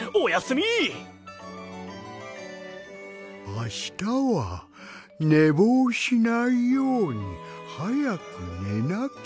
あしたはねぼうしないようにはやくねなきゃ。